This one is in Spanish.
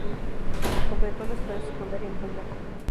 Completó la escuela secundaria en Pula.